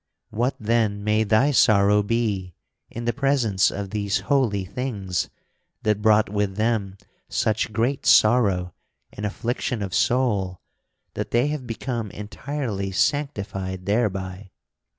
What then may thy sorrow be in the presence of these holy things that brought with them such great sorrow and affliction of soul that they have become entirely sanctified thereby!